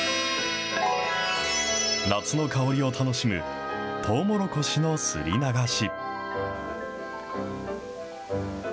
夏の香りを楽しむとうもろこしのすり流し。